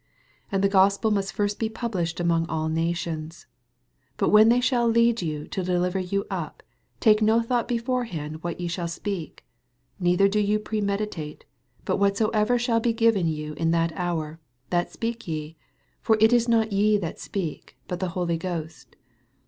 10 And the Gospel must first be published among all nations. 11 But when they shall lead you and deliver you up, take no thought beforehand what ye shall speak, nei ther do ye premeditate ; but whatso ever shall be given you in that hoot, that speak ye : for it is not ye that speak, but the H< ly Ghost.